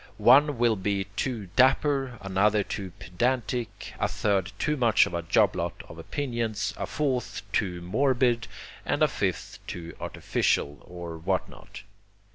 One will be too dapper, another too pedantic, a third too much of a job lot of opinions, a fourth too morbid, and a fifth too artificial, or what not.